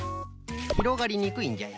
ひろがりにくいんじゃよ。